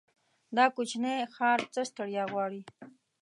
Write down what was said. دا کوچينی ښار څه ستړيا غواړي.